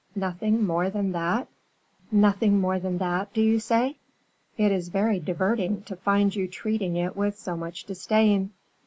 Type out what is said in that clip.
Nothing more than that!" "'Nothing more than that,' do you say? It is very diverting to find you treating it with so much disdain.